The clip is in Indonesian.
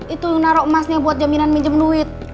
itu naruh emasnya buat jaminan minjem duit